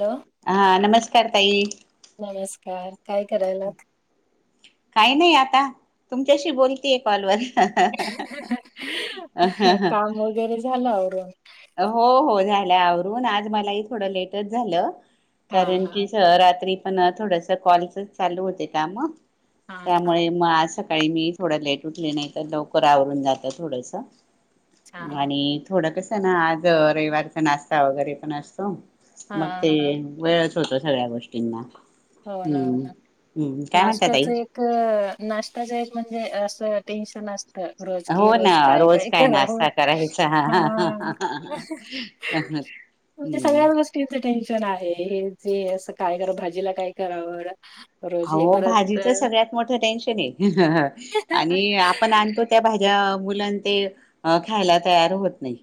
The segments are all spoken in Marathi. हॅलो हा नमस्कार ताई, नमस्कार काय करायलात. काही नाही आता, तुमच्याशी बोलतेय कॉलवर, काम वगैरे झालं आवरून, हो हो झालंय आवरून, आज मलाही थोडं लेटच झालं. हा कारण हा की स रात्री. पण थोडस कॉलचच चालू होते काम. हा हा त्यामुळे मग असं सकाळी मी थोडं लेट उठले, नाही तर लवकर आवरून जाते थोडस. अच्छा हा आणि थोडं कस, ना आज रविवारचा नाष्टा वगैरे पण असतो. मग ते हा वेळच. होत सगळ्या गोष्टींना. हो ना, हो हम्म ना, हम्म काय म्हणता ताई नाष्ट्याचं एक नाश्त्याचं एक म्हणजे. टेन्शन असतं. तर रोज की, हो ना रोज काय-काय काय कराव नाश्ता करायचा हा तुमच्या हम्म सगळ्याच गोष्टीच टेन्शन. रोजच आहे, हे जे अस काय करू भाजीला काय. कराव. आहो भाजीच सगळ्यात मोठं टेन्शन आहे, आणि आपण आणतो त्या भाजी त्या मुलां ते खायला तयार होत नाही.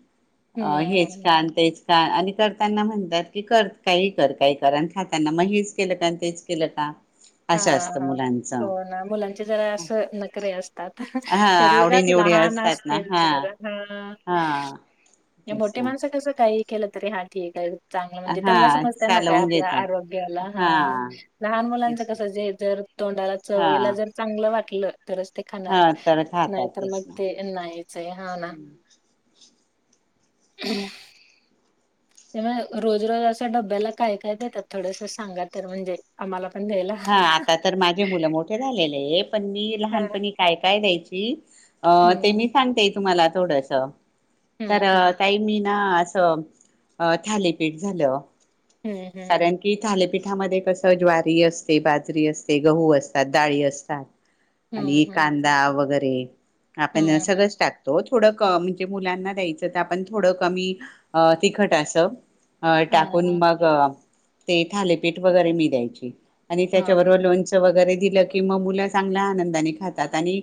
अ हेच हम्म का, आणि तेच का. का आणि करताना म्हणतात, की कर, काहीही कर, काही कर, आणि खाताना मग हेच केलं का तेच केलं का. हा असं असतं हा हो मुलांचं ना मुलांचे जरा अस नकरे असतात. हा त्यातल्या आवडी त्यात निवडी लहान असतात ना असतील हा तर हा. हा तेच मोठे ना माणस कस काही केलं तरी हा ठीक आहे. चांगलं म्हणजे हा त्यांना समजत ना काय चालवून आपल्या घेतात आरोग्याला ह हा लहान मुलांच. तेच कस जे जर तोंडाला चवईला हा जर चांगलं वाट टलं तरच ते खाणार हा तर नाही खातात तर तेच मग ना ते नाहीच आहे हा ना. [inaudible] ते म रोज रोज असं डब्याला काय काय देतात? थोडस सांगा तर म्हणजे आम्हाला पण द्यायला हा आता तर माझे मुलं मोठे झालेले पण मी लहानपणी काय काय द्यायच [unintelligible] अ ते मी हम्म सांगते तुम्हाला. थोडस. तर हम्म हम्म ताई मी ना असं थालीपीठ झालं. हम्म हम्म कारण की थाली पिठामध्ये कस ज्वारी असते, बाजरी असते, गहू असतात, डाळी असतात. हम्म आणि हम्म कांदा वगैरे. ते. हम्म आपण हम्म हम्म सगळंच टाकतो. थोड म्हणजे मुलांना द्यायच तर आपण थोडं कमी तिखट अस अ हा टाकून हा मग ते थालेपीठ वगैरे मी द्यायचे. आणि त्याच्यावरब हां. लोणच वगैरे दिलं की मग मुलं चांगल्या आनंदाने खातात आणि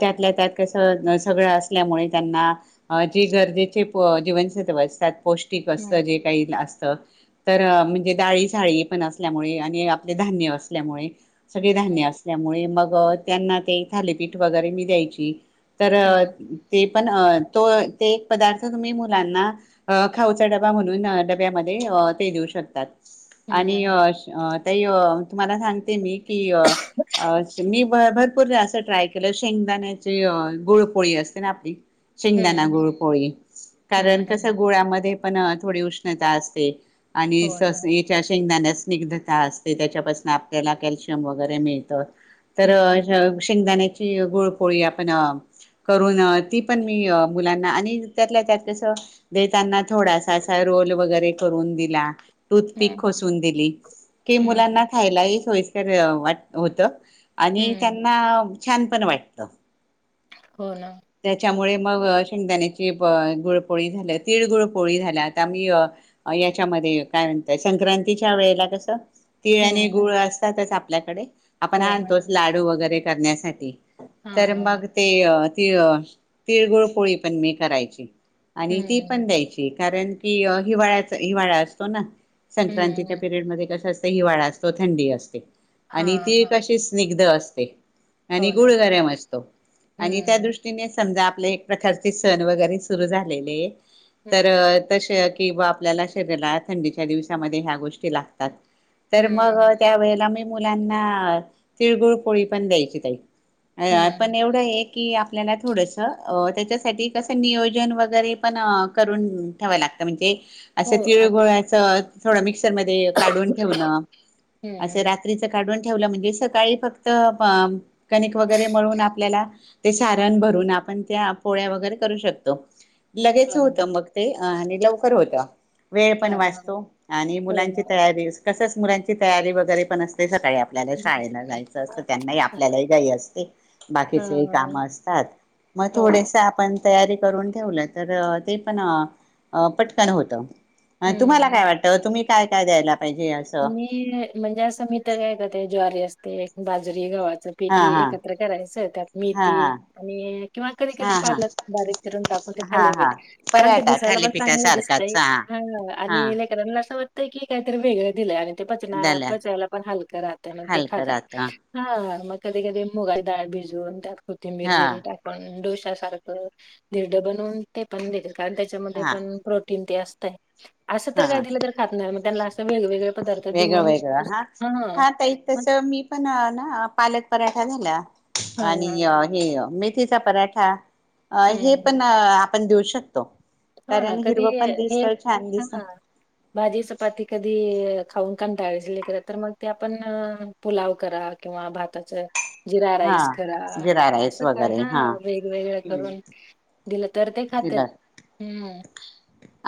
त्यातल्या त्यात कसं सगळं असल्यामुळे त्यांना जे गरजेचे जीवनसत्व असतात. पौष्टिक असतं, हं. जे काही असतं तर म्हणजे डाळी साळी पण असल्यामुळे आणि आपले धान्य असल्यामुळे. सगळे हं. धान्य असल्यामुळे मग त्यांना ते थालीपीठ वगैरे मी द्यायची. तर हं. ते पण तो ते एक पदार्थ तुम्ही मुलांना खाऊचा डबा म्हणून डब्यामध्ये ते देऊ शक तात. हं, आणि अ. हं. ताई तुम्हाला सांगते मी की मी भरपूर दा अस ट्राय केलं शेंगदाण्याची गुळपोळी असते ना आपली. शेंगदाणा हं, हं. गुळ पोळी कारण हं, कस हं. गुळामध्ये. पण थोडी उष्णता असते. आणि. हो ना. तस ही त्या शेंगदाण्यात. निग्धता असते, त्याच्यापासून आपल्याला कॅल्शियम वगैरे मिळतं. तर हं, हं. शेंगदाण्याची. गुळपोळी आपण करून ती पण मी मुलांना आणि त्यातल्या त्यात कसं देताना थोडासा असा रोल वगैरे करून दिला. टूथपिक हं, खोसून दिली की हं. मुलांना खायलाही. तर वाट होत. आणि हं. त्यांना. छान पण वाटत हो ना. त्याच्यामुळे मग शेंगदाण्याची गुळपोळी झाल्या तीळ गुळपोळी झाल्या आता मी हीयाच्यामध्ये कायमचय संक्रांतीच्या वेळेला कसं तिळ आणि हं, हं. गुळ असतातच आप आपल्याकडे हो आपण ना. आणतोच लाडू वगैरे करण्यासाठी. तर हां. मग ते. तिळ तिळगुळ पोळी पण मी करायची. आणि ती हं. पण द्यायची. कारण की हिवाळ्याच हिवाळा अस हो ना. संक्रांतीच्या हं. पिरियड मध्ये कसं असत. हिवाळा असतो, थंडी असते. आणि हां, ती हां. कशी स्निग्ध असते. आसते. आणि हो ना. गुळ गरम असतो, आणि त्या हं. दृष्टीने समजा. आपले एक प्रकारचे सण वगैरे सुरू झालेले तर हं. तशा कि बा आपल्याला शरीरात थंडीच्या दिवसामध्ये ह्या गोष्टी लागतात. तर मग हं. त्या वेळेला मी मुलांना तिळगुळ पोळी पण, द्यायची ताई. अ हं. पण एवढं एक की, आपल्याला थोडंसं तेच्यासाठी कसं नियोजन? वगैरे पण करून ठेवाय लागतं म्हणजे हो. आसे तिळ आठ गुळा अ थोडा मिक्स मिक्सरमध्ये काढून ठेवन, आस हं. रात्रीच काडून ठेवल म्हणजे सकाळी फक्त प प कणिक वगैरे मळून आपल्याला ते सारण भरून, आपण त्या पोळ्या वैगरे करू शकतो. हां, लगेचं होतं हां. मग ते अ आणि लवकर होत वेळ पण हां, वाच हां. आणि हो ना. मुलांची तयारीस तसच मुलांची तयारी वगैरे पण असते. स काही आपल्याला हं. शाळेला जायच असत, त्यांनाही हां, आपल्यालाही घाई असते, बाकीचे काम हां. असतात, मग हो ना. थोडस आपण. तयारी करून ठेवलं तर ते पण पटकन होत. तुम्हाला हं. काय वाटतं तुम्ही. काय काय द्यायला. पाहिजे असं मी म्हणजे असं मी तर काय करते ज्वारी असते. ते एक बाजरी गव्हाच. च हा पीठ हा एकत्र करायचं त्यात हा मेथी आणि किंवा हा कधी-कधी हा पालक बारीक चिरून टाकून ते हा थालिपिट हा कारण ते पराठा दिसायला पण थालीपीठा चांगलं दिसतय, सारखाच हा हा आणि लेकरांना आस वा. ते काय तर वेगंळ. दिल्या. ते पचना झाल्या पचायला पण हलकं राहतय मग ते हलकं खातात, राहत हा. कधी-कधी मुगाचीडाळ भिजवून त्यात. कोथंबीर, हा जिरे टाकून ढोशा ढोश्या सारखं धिरड बनवून ते पण दिल. कारण त्याच्यामध्ये हा पण प्रोटीन. प्रोटीन तेन असतय. असं तर काय दिलं तर खात नाही, मग त्यांना अस. चव वेगळी-वेगळी. वेगळ-वेगळं हा, हा, ताई मग तस मी पण ना पालक पराठ काय झाल्या? आणि हे हां. मी मेथीचा पराठा. अ हे पण आ. आपण देऊ शकतो. होना कारण कधी हिरवं पण हे, दिसत छान दिसत ह, भाजी चपाती कधी खाऊन कंटाळली असली लेकरं, तर मग ते आपण पुलाव करा किंवा भाताच जिरा हा राईस करा जिरा राईस असं काय वगैरे हा वेगवेगळ करून. दिलं तर ते खात्यात. दिलं हम्म.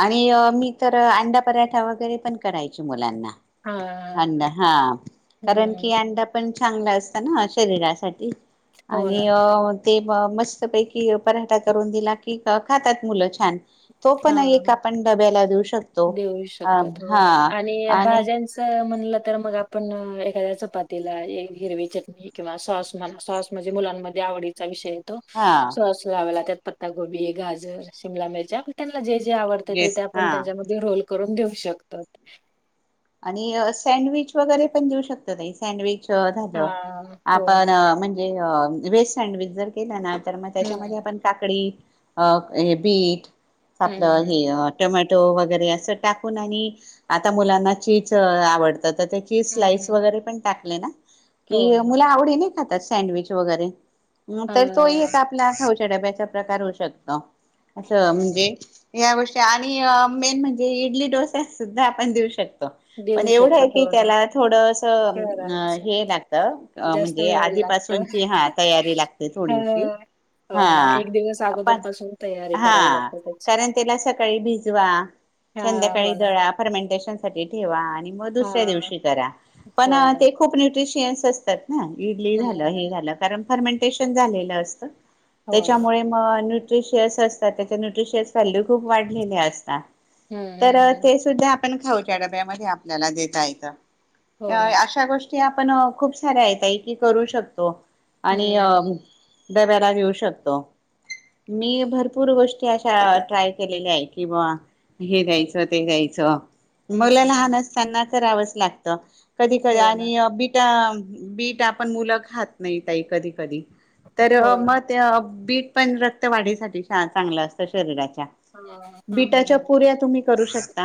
आणि मी तर अंडा पराठा वगैरे पण करायच मुलांना. हां. अंडा हा कारण हं. की अंडा पण. चांगलं असतं ना शरीरासाठी. हो आणि ना. अ ते मस्तपैकी पराठा करून दिला. की खातात मुलं छान. तो पण हां. एक आपण डब्याला देऊ शकतो, देऊ अ शकतात हो हा ना आणि. भाज्यांचं म्हणलं तर मग आपण एखाद्या चपातीला हिरवी चटणी किंवा सॉस म्हणा सॉस म्हणजे मुलांमध्ये आवडीचा विषय. हा सॉस लावायला त्यात पत्ता गोबी, गाजर, शिमला मिरच्या त्यांना द्यायची. जे आवडतय येस ते आपण हा त्यांच्यामध्ये रोल करून देऊ शकतात. आणि सँडविच वगैरे पण देऊ शकतो ताई, सँडविच त झाल हा हो ना आपण म्हणजे. ते म्हणजे व्हेज सँडविच जर केला ना. तर मग त्याच्यामध्ये हम्म आपण काकडी. अ हे बीट. आपलं हम्म हे टोमॅटो. टोमॅटो वगैरे अस टाकून आणि आता मुलांना चीज आवडत. आता ते चीज हम्म स्लाईस हम्म वगैरे पण टाक टिकलय ना. हो की ना मुलं आवडीने खातात सँडविच वगैरे. तर तोही हा आता आपला डब्याचे प्रकार होऊ शकतो. असं म्हणजे या गोष्टी आणि मेन म्हणजे इडली डोसा सुद्धा आपण देऊ शकतो. पण देऊ एवढं शकतात की हो ना त्याला थोड असं करायचं हे लागत, जास्त म्हणजे वेळ लागतो आधीपासूनची हा तयारी लागते हा. थोडीशी, ह हो ना. एक दिवस अगोदरपासून तयारी करावी हा लागते त्याची. कारण त्याला सकाळी भिजवा हां, हो संध्याकाळी ना. दळा फर्मेंटेशन ठेवा आणि मग दुसऱ्या हां. दिवशी करा. पण हो ना. ते खूप न्यूट्रीशी. [unintelligible] असतात. हा इडली हं, झालं हे हं. झालं कारण फर्मेंटेशन झालेलं असतं. हो ना. त्याच्यामुळे म आणि न्यूट्रिशियस [unintelligible] असता त्याचे न्यूट्रिशियस व्हॅल्यू खप वाढलेल्या असता. हं, तर हं, हं. ते सुद्धा पण खा [unintelligible] त्य डब्यामध्येध आपल्याला देता येतं. हो ना. यय आशा गोष की आपण खूप साऱ्या [unintelligible] की करू शकतो. आणि हं, अ. हं. डब्याला देऊ शकतो. मी भरपूर गोष्टी अशा ट्राय केलेल्या आहे की बुवा हे द्यायचं ते द्यायचं. मुलं हं, लहान हं. असतांना. करावंच लागत. कधी कधी हो ना. आणि अ बी त्या बीट आपण मुलं खात नाहीत ताई कधी कधी तर हो ना. म त्या बीट पण रक्त वाढीसाठी चा चांगलं असतं शरीराात. त्या हां, हां, हां, बिटाच्या हां. पुऱ्या तुम्ही करू शकता.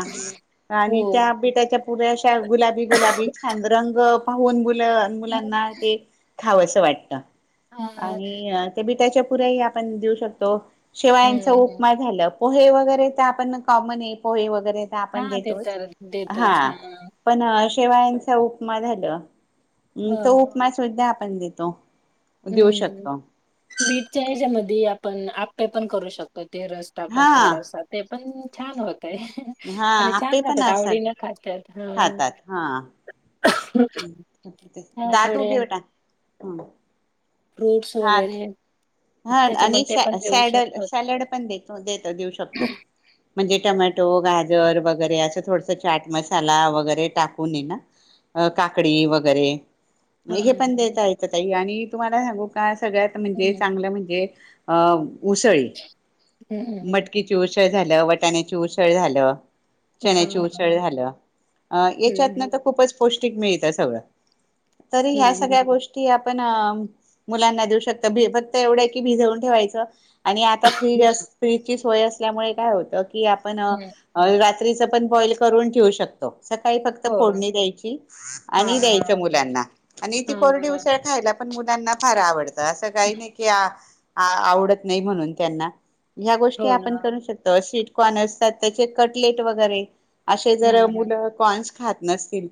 आणि त्या हो. बीटाच्या पुऱ्या अशा गुलाबी गुलाबी खान रंग पाहून मुलं लहन मुलांना ते खावसं [unintelligible] वाटत. हां. आणि अ ते बीटा त्याच्या प पुरही आपन देऊ शकतो. शिवाय यांचा हं, हं. उपमा झालं. पोहे वगैरे ते आपण कॉमन हे पोहे वगैरे. [unintelligible] आपन दे चारत देतच हा. अ शेवायांचा उपमा झालं. अम्म तो उपमा सुद्धा पन देतो. देऊ हम्म शकतो. बीट च्या ह्याज्यामध्ये [unintelligible] पण आप्पे पण करू शक पणं ते रस टाकून हा थोडासा ते पण छान होत. तय हा आणि आपे छान पण खातात, असतात आवडीनं खात्यात. खातात हा. हां, दादू थोडे घे बेटा. हं. फ्रुट्स वगैरे हां आणि त्याच्यामध्ये ते सॅ पण देऊ सॅडल शकतो. सॅलड पण देतो देतात देऊ शकतो. म्हणजे टोमॅटो, गाजर वगैरे असं थोडसं चाट मसाला वगैरे टाकून येे ना काकडी वगैरे म हां, हे पण हां. देता येत ताई आणि तुम्हाला [unintelligible] सगळ्यात हं, म्हणजेच चांगलं म्हणजे [inaudible] उसळी, हं, हं, हं. मटकीची उसळ झालं, वटाण्याची उसळ झालं. हां, चण्याची हां. उसळ झालं, अ हं, याच्यातनं हं. तर खूपच पौ ठीक मिळतं सगळं. तरी ह्या हं, सगळ्या हं. गोष्टी आप ण मुलांना देऊ शकतं [unintelligible] एवढं आहे की भिजवून ठेवायचं. आणि आता फ्री अस फ्री ची सोय असल्यामुळे काय होतं कि आपण हं. रा त्रीच पण बॉईल करून ठेवू शकतो. सकाळी फक्त हो. फोडणी द्यायची हां, आणि द्यायचं हां. मुलांना आणि ती हां, कोरडी हां. उसळ खायला पण मुलांना फार आवडते. असं काही नाही ना आवडत नाही म्हणून त्यांना ह्या गोष्टी हो आपण ना. करू शकतो. अशी- - कॉनर्सतात त्याचे कटलेट वगैरे असे हं, जर हं. मुलं कॉन्स खात नसतील.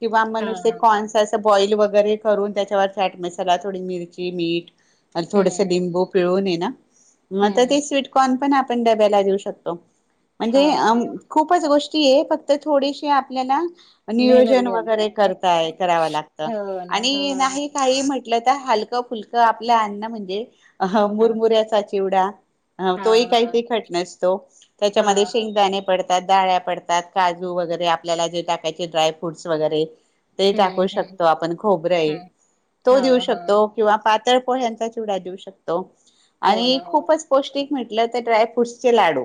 किंवा हां, मणुके हां. कॉनर्सस बॉईल वगैरे करून त्याच्यावर फॅट मसाला थोडी मिरची, मीठ आणि हं, थोडसे हं. लिंबू पिळून येना म हं, आता ते हं. स्वीटकॉनपण आ पण डब्याला देऊ शकतो. म्हणजे हां, अम हां. खूपच गोष - - की हे फक्त थोडीशी आपल्याला. मेहनत नियोजन घ्यावी वगैरे लागते. करताय, कराव लागत, हो ना. आणि हां, नाही काही म्हन ल कुठलेतर हलकं-फुलकं आपले अन्न की म्हणजे. हा हां. मुरमुऱ्याचा चि चिवडा. ह तोही हां, काही हां. तिखट नसतो, त्याच्यामध्ये हां. शेंगदाणे पडत पडत्यात, डाळ्या पडतात, काजू वगैरे आपल्याला जे टाकायचे ड्राय फ्रूटस वगैरे. ते टाकू हं, हं. शकतो आपण खोबरे हे, हि, हं. तो देऊ हां, हां. शकतो किंवा पा पातळ पोह्यांचा चिवडा. चिवडा देऊ शकतो. हो ना, आणि हो. खूपच पौष्टिक. म्हटलं तर ड्रायफ्रूट चे लाडू.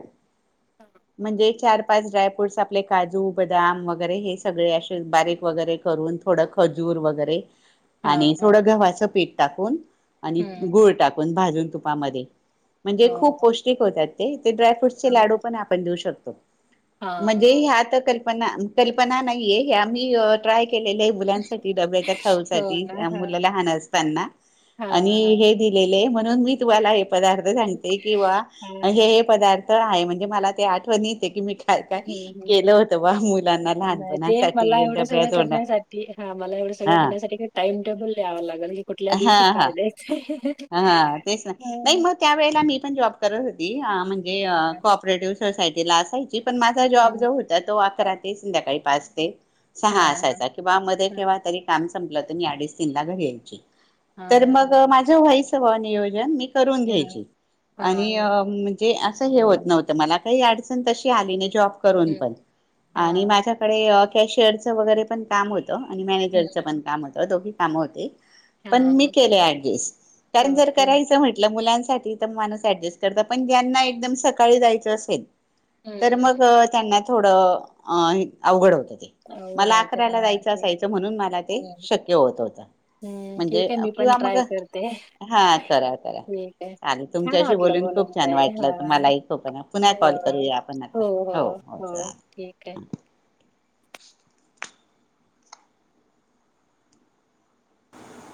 म्हणजे चार. पाच ड्रायफ्रूट्स आपले काजू, बदाम, वगैरे हे सगळे असे बारीक वगैरे करून, थोडं खजूर वगैरे. आणि हां, हां. थोडं गव्हाचं पिठ. टाकून. आणि हं, हं. गूळ टाकून भाजून तुपामध्ये. हो, म्हणजे खूप हो. पौष्टिक होत्यात. एक ते ड्रायफ्रूट चे हां, लाडू पण आपण देऊ शकतो. त म्हणजे हां. ह्या तर क पण कल्पना नाहीये हे आम्ही ट्राय [unintelligible] केलेले मुलांसाठी डबे तर खाऊ हो साठी ना. हां. मुलं लहान असताना आणि हां, हां, हे केले म्हणून मी तुम्हाला पदार्थ सांगते किंवा हे हां. हे पदा तर आहे म्हणजे मला ते आठवणी. ह्ं मुलांना हुं नाही ते मला लहानपणासाठी एवढं डब्या सगळं तोंडा करण्यासाठी, हा मला एवढं सगळं हा करण्यासाठी काही टाइम टेबल लिहावं लागेल, की कुठल्या हा दिवशी हा काय द्यायचंय. हा तेच ना, नाही हां, मग त्यावेेळेला ती पण जॉब करत होती हां म्हणजे हां, कोऑपरेटिव्हज. सोसायटीला असायचे. पण माझा जॉब हं. जो होता तो अकरा ते संध्याकाळी पाच ते सहा हां, हां, असायचा किंवा मध्ये हां. केंव्हा तरी काम. संपलं तर मी अडिच तीनला घरी यायचे. तर हां, मग हां. माझ. हाय सगळ नियोजन मी. करून घ्यायची हां, आणि हां. अं म्हणजे. हे होत नव्हतं मला, काही अडचण तशी आली नाही जॉब करून हं. पण आणि हां. माझ्याकडे अं त्या शेअरचं वगैरे पण काम होत. आणि हं. मॅनेजरचं पण काम होतं, दोघी काम होते. पण हां, मी हां. केले ऍडजेस्ट. कारण जर ओके. करायचं म्हटलं, मुलांच [unintelligible] माणूस ॲडजेस्ट करत पण ज्यांना एकदम सकाळी जायचं असेल हं, तर मग हं. त्यांना थोडं अ हि अवघड होत. अवघड मला होतं. अकराला हां, जायच ठीक. असायचं म्हणून मला ते हं, शक्य होत होत हं. म्हणजे ठीक आहे, मी पण किंवा मग ट्राय करते. हा चला चला ठीक आहे. चालेल छान तुमच्याशी वाटलं बोलून खूप छान ताई. वाटलं हां, तुम्हाला [unintelligible] पुन्हा हो. कॉल करूया आपण आता हो हो चालेल. [unintelligible]